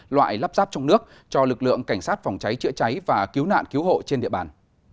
loại lắp ráp trong nước cho lực lượng cảnh sát phòng cháy chữa cháy và cứu nạn cứu hộ trên địa bàn